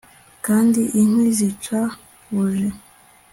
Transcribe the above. kandi inkwi zica buji